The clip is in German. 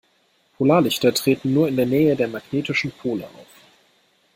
Polarlichter treten nur in der Nähe der magnetischen Pole auf.